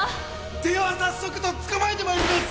では早速とっ捕まえてまいります！